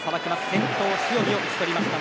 先頭、塩見を打ち取りました。